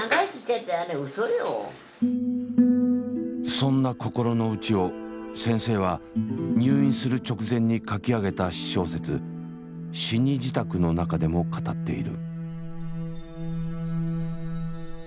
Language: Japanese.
そんな心の内を先生は入院する直前に書き上げた私小説「死に支度」の中でも語っている。